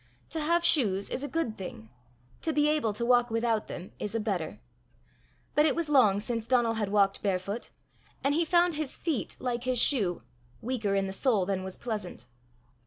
To have shoes is a good thing; to be able to walk without them is a better. But it was long since Donal had walked barefoot, and he found his feet like his shoe, weaker in the sole than was pleasant.